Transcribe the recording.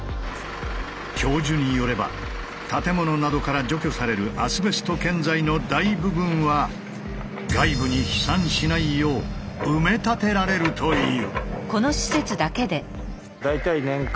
教授によれば建物などから除去されるアスベスト建材の大部分は外部に飛散しないよう埋め立てられるという。